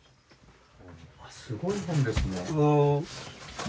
すごい本ですね。